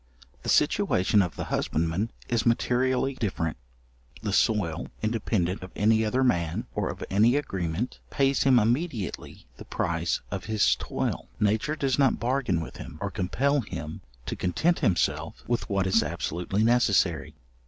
The situation of the husbandman is materially different. The soil, independent of any other man, or of any agreement, pays him immediately the price of his toil. Nature does not bargain with him, or compel him to content himself with what is absolutely necessary.